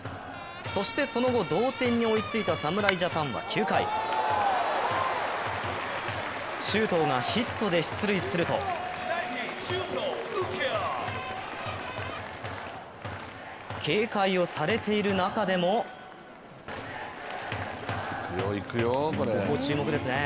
そしてその後、同点に追いついた侍ジャパンは９回周東がヒットで出塁すると、警戒をされている中でもここ、注目ですね。